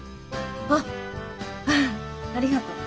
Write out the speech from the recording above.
あっありがとう。